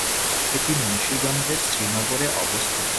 এটি মুন্সিগঞ্জের শ্রীনগরে অবস্থিত।